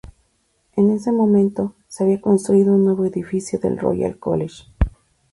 En ese momento, se había construido un nuevo edificio el "Royal College".